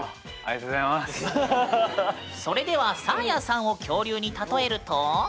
それではサーヤさんを恐竜に例えると？